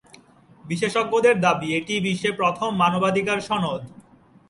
বিশেষজ্ঞদের দাবি, এটিই বিশ্বের ‘প্রথম মানবাধিকার সনদ’।